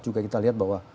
juga kita lihat bahwa